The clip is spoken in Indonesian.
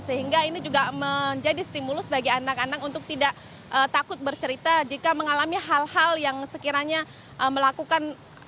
sehingga ini juga menjadi stimulus bagi anak anak untuk tidak takut bercerita jika mengalami hal hal yang sekiranya melakukan